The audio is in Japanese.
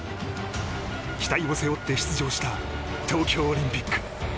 期待を背負って出場した東京オリンピック。